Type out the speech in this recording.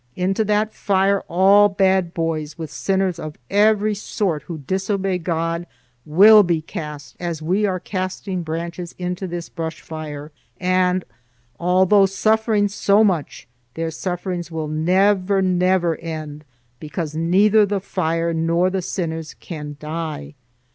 Into that fire all bad boys, with sinners of every sort who disobey God, will be cast as we are casting branches into this brush fire, and although suffering so much, their sufferings will never never end, because neither the fire nor the sinners can die."